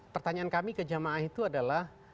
pertanyaan kami ke jamaah itu adalah